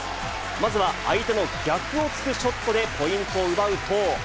まずは、相手の逆をつくショットでポイントを奪うと。